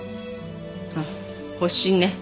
あっ発疹ね。